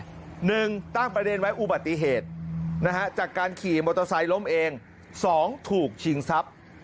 หนึ่งตั้งประเด็นไว้อุบัติเหตุนะฮะจากการขี่มอเตอร์ไซค์ล้มเองสองถูกชิงทรัพย์